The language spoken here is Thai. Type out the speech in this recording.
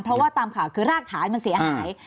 เพราะว่าตามข่าวคือรากฐานมันเสียหาย